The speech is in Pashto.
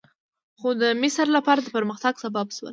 خو د مصر لپاره د پرمختګ سبب شول.